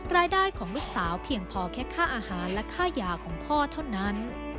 รายได้ของลูกสาวเพียงพอแค่ค่าอาหารและค่ายาของพ่อเท่านั้น